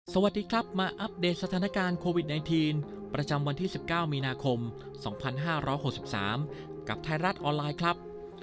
สวัสดีครับมาอัปเดตสถานการณ์โควิด๑๙ประจำวันที่๑๙มีนาคม๒๕๖๓กับไทยรัฐออนไลน์ครับ